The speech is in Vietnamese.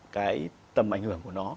cái tầm ảnh hưởng của nó